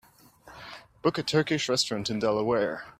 book a turkish restaurant in Delaware